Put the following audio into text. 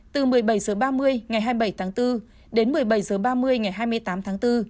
từ một mươi bảy h ba mươi ngày hai mươi bảy tháng bốn đến một mươi bảy h ba mươi ngày hai mươi tám tháng bốn